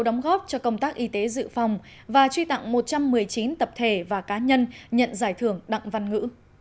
đóng góp cho công tác y tế dự phòng và truy tặng một trăm một mươi chín tập thể và cá nhân nhận giải thưởng đặng văn ngữ